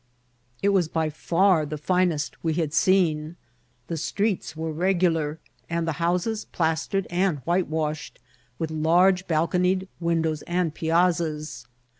It was by fSar the finest we had seen. The streets were regular, and the houses plastered and whitewash ed, with large balconied windows and piazzas.